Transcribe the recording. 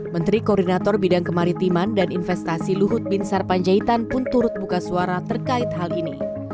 menteri koordinator bidang kemaritiman dan investasi luhut bin sarpanjaitan pun turut buka suara terkait hal ini